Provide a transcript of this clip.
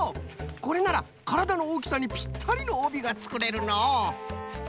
これならからだのおおきさにピッタリのおびがつくれるのう。